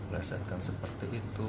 pelesetkan seperti itu